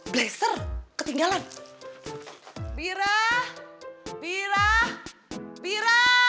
bleser ketinggalan bira bira bira